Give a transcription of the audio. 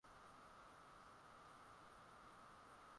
hizi zina takriban asilimia sabinia na tano